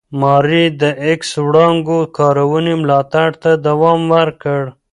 ماري د ایکس وړانګو کارونې ملاتړ ته دوام ورکړ.